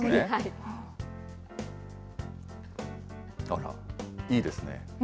あら、いいですね。